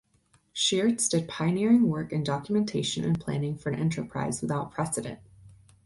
Schiertz did pioneering work in documentation and planning for an enterprise without precedent.